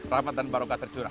rahmat dan barokah terjurah